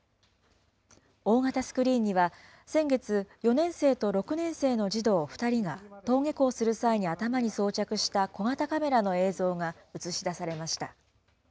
大型スクリーンには、先月、４年生と６年生の児童２人が登下校する際に頭に装着した小型カメラの映像が映し出されました。